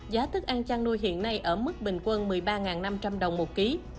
giá thức ăn chăn nuôi hiện nay ở mức bình quân một mươi ba năm trăm linh đồng một ký